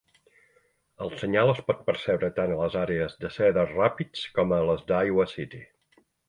El senyal es pot percebre tant a les àrees de Cedar Rapids com a les d'Iowa City.